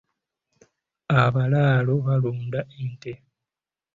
Abalaalo balunda ente.